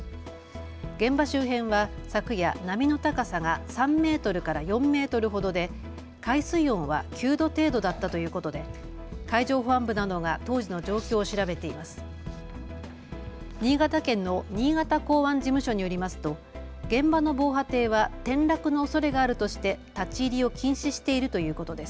現場周辺は昨夜、波の高さが３メートルから４メートルほどで海水温は９度程度だったということで海上保安部などが当時の状況を調べています。